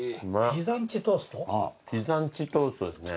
ピザンチトーストですね。